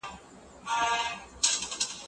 هغه په انګلستان کي زده کړي کوي.